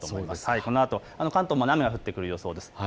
このあと関東も雨が降ってくる予想です。